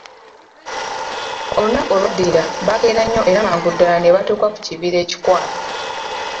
Olunaku olwadirira baakeera nnyo era mangu ddala ne batuuka ku kibira ekikwafu.